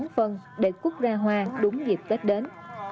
phần để cúc ra hoa đúng dịp tết đến